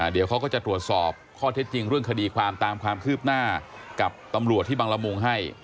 เดี๋ยวเขาก็จะตรวจสอบข้อเท็จจริงเรื่องคดีความตามความคืบหน้ากับตำรวจที่บังละมุงให้